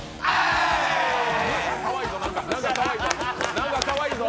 なんかかわいいぞ。